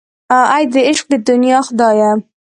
اې د عشق د دنیا خدایه.